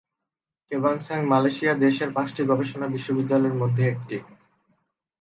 কেবাংসান Malaysia দেশের পাঁচটি গবেষণা বিশ্ববিদ্যালয়ের মধ্যে একটি।